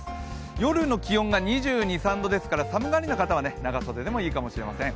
夜の気温が２２２３度ですから寒がりの方は長袖でもいいかもしれません。